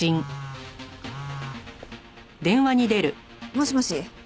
もしもし。